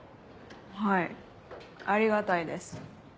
はいありがたいです。